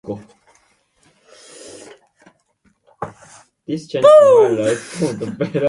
This was probably done in order to dock her in "Surabaya Wooden Dock".